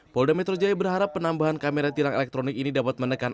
polda metro jaya berharap penambahan kamera tilang elektronik ini dapat menekan